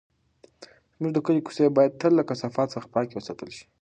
زموږ د کلي کوڅې باید تل له کثافاتو څخه پاکې وساتل شي.